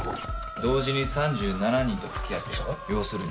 同時に３７人と付き合っている。